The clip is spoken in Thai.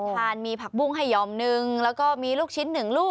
ทานมีผักบุ้งให้ยอมนึงแล้วก็มีลูกชิ้นหนึ่งลูก